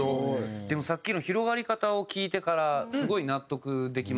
でもさっきの広がり方を聞いてからすごい納得できましたね。